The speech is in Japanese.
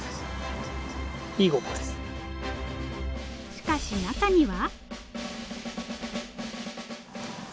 しかし中には。